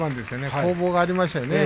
攻防がありましたね。